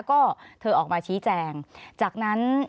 ขอบคุณครับ